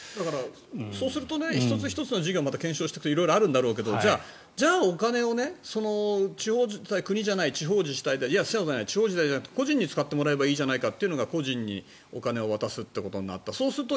そうすると１つ１つの事業を検証していくと色々あるんだろうけどじゃあ、お金を国じゃない地方自治体いや、そうじゃない地方自治体じゃなくて個人に使ってもらえばいいじゃないかというのが個人にお金を渡すってことになった。